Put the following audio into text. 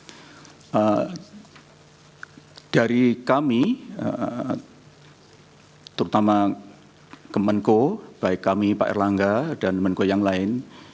jadi dari kami terutama kemenko baik kami pak erlangga dan menko yang lain